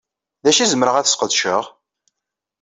D acu i zemreɣ ad sqedceɣ?